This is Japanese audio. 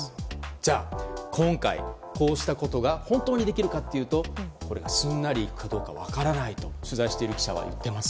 じゃあ今回、こうしたことが本当にできるかというと、これはすんなりいくか分からないと取材している記者は言っています。